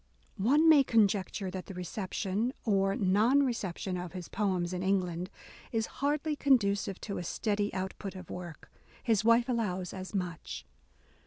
One may conjecture that the reception — or non reception — of his poems in England, is hardly conducive to a steady output of work ; his wife allows as much.